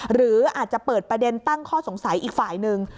หรืออาจจะเปิดประเด็นตั้งข้อสงสัยอีกฝ่ายหนึ่ง